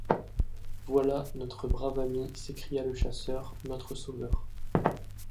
Voilà notre brave ami! s’écria le chasseur, notre sauveur !